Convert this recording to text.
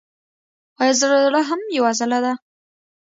ایا زړه هم یوه عضله ده